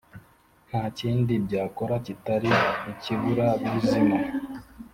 nta kindi byakora, kitari ikiburabuzima.